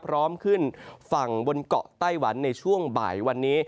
พร้อมขึ้นฝั่งบนเกาะไต้หวันในช่วงบ่ายวันนี้